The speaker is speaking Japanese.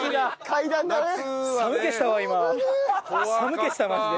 寒気したマジで。